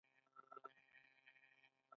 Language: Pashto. د ممپلی ګل د وینې لپاره وکاروئ